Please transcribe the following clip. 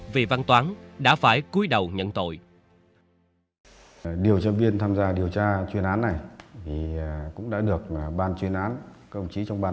vị văn toán là đối tượng chủ mưu của vụ án